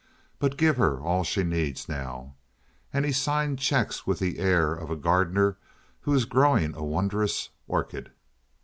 But give her all she needs now." And he signed checks with the air of a gardener who is growing a wondrous orchid.